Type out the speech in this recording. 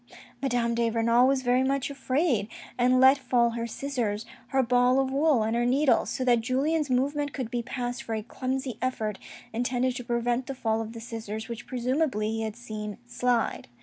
Madame de Renal was very much afraid, and let fall her scissors, her ball of wool and her needles, so that Julien's movement could be passed for a clumsy effort, intended to prevent the fall of the scissors, which presumably he had seen slide.